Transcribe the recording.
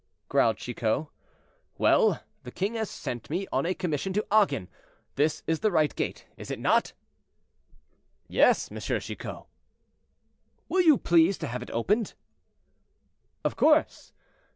growled Chicot. "Well! the king has sent me on a commission to Agen; this is the right gate, is it not?" "Yes, M. Chicot." "Will you please to have it opened?" "Of course.